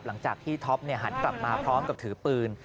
หลังจากที่ท็อปหันกลับมาพร้อมกับถือปืน